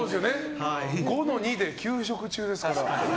５の２で求職中ですから。